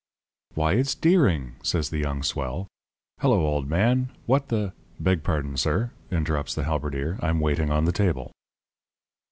"'Why, it's Deering!' says the young swell. 'Hello, old man. What the ' "'Beg pardon, sir,' interrupts the halberdier, 'I'm waiting on the table.'